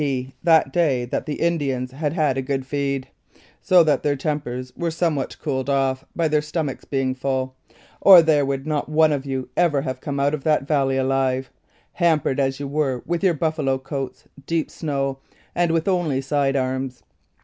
P. that day that the Indians had 152 The Crooked Lakes Affair had a good feed, so that their tempers were somewhat cooled off by their stomachs being full, or there would not one of you ever have come out of that valley alive, hampered as you were with your buffalo coats, deep snow, and with only side arms.